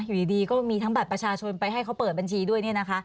อยู่ดีก็มีทั้งบัตรประชาชนไปให้เขาเปิดบัญชีด้วยเนี่ยนะคะ